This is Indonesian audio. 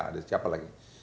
ada siapa lagi